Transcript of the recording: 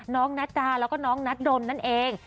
น้องนัดดาและน้องนัดดลนั่นเอง